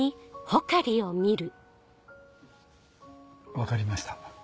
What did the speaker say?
分かりました。